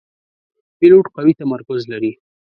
پیلوټ قوي تمرکز لري.